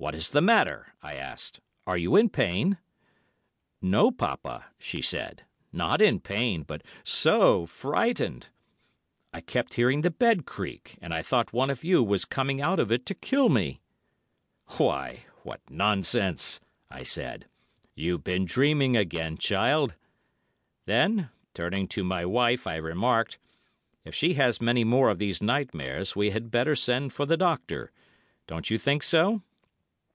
'What is the matter,' I asked; 'are you in pain?' 'No, Poppa,' she said. 'Not in pain, but so frightened. I kept hearing the bed creak, and I thought one of you was coming out of it to kill me.' "'Why, what nonsense,' I said. 'You've been dreaming again, child.' Then, turning to my wife, I remarked, 'If she has many more of these nightmares we had better send for the doctor. Don't you think so?